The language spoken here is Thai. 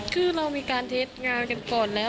คือเรามีการเท็จงานกันก่อนแล้ว